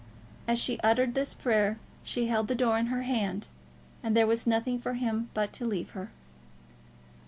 As she uttered this prayer she held the door in her hand, and there was nothing for him but to leave her.